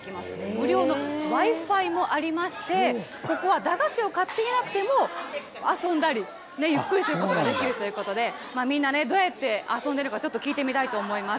無料のＷｉ−Ｆｉもありまして、ここは駄菓子を買っていなくても、遊んだり、ゆっくりすることができるということで、みんなね、どうやって遊んでるか、ちょっと聞いてみたいと思います。